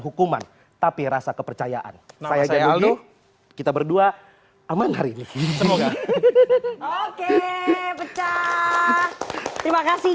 hukuman tapi rasa kepercayaan saya aja dulu kita berdua aman hari ini semoga oke pecah terima kasih